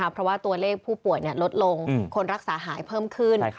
เพราะว่าตัวเลขผู้ป่วยลดลงคนรักษาหายเพิ่มขึ้น